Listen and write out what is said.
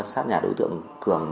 sát nhà đối tượng cường